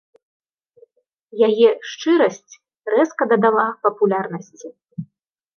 Яе шчырасць рэзка дадала папулярнасці.